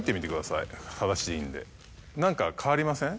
はだしでいいんで何か変わりません？